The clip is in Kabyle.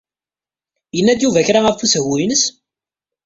Yenna-d Yuba kra ɣef usehwu-ines?